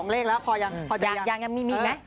๒เลขแล้วพอยังยังยังไม่มีอีกไหม